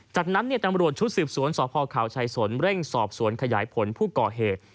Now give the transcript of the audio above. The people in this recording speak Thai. จากนั้นตำรวจชุดสืบสวนสพขาวชายสนเร่งสอบสวนขยายผลผู้ก่อเหตุ